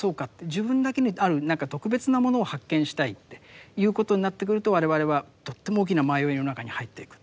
自分だけにある何か特別なものを発見したいっていうことになってくると我々はとっても大きな迷いの中に入っていく。